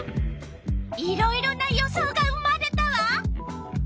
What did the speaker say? いろいろな予想が生まれたわ。